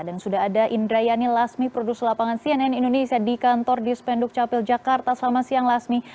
dan sudah ada indrayani lasmi produser lapangan cnn indonesia di kantor dispenduk capil jakarta selama siang lasmi